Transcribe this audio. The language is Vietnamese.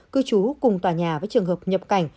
cư trú cùng tòa nhà với trường hợp nhập cảnh